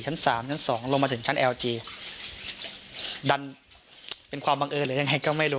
สามชั้นสองลงมาถึงชั้นเอลจีดันเป็นความบังเอิญหรือยังไงก็ไม่รู้